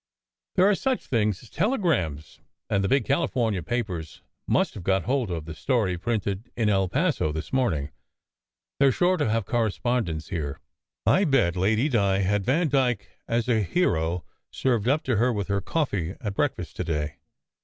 "There are such things as telegrams. And the big California papers must have got hold of the story printed in El Paso this morning. They re sure to have correspondents here. I bet Lady Di had Vandyke as a hero served up to her with her coffee at breakfast to day.